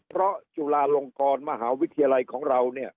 เพราะจุฬาลงกรมหาวิทยาลัยของเราเนี่ย